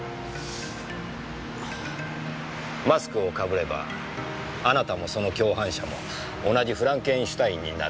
マスクを被ればあなたもその共犯者も同じフランケンシュタインになれる。